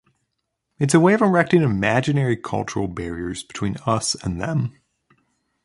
It's a way of erecting imaginary cultural barriers between 'us' and 'them'.